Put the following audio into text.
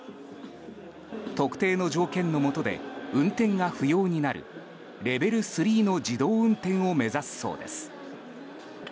特定の条件のもとで運転が不要になるレベル３の自動運転を目指すそうです。